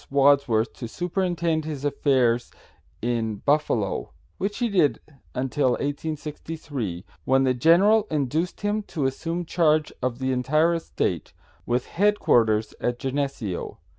Wadsworth to superintend his affairs in Buffalo, which he did until 1863, when the general induced him to assume charge of the entire estate, with headquarters at Geneseo.